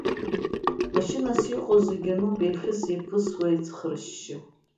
Машьынас иҟоу зегьы ануп, еихьыс-еиԥысуа еицхрашьшьы.